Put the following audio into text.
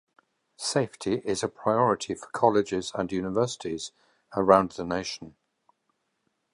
Safety is a priority for colleges and universities around the nation.